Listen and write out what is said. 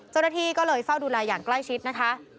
เจ้าหน้าที่ก็เลยเฝ้าดูแลอย่างใกล้ชิดนะคะ